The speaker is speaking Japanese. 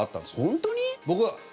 本当に？